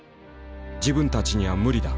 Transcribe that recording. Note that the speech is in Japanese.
「自分たちには無理だ。